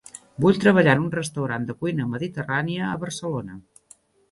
Vull treballar en un restaurant de cuina mediterrània a Barcelona.